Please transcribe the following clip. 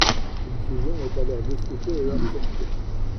Une fusion est alors discutée et acceptée.